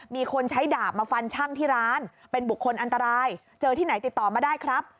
มีคนใช้ดาบมาฟันช่างที่ร้านเป็นบุคคลอันตรายเจอที่ไหนติดต่อมาได้ครับ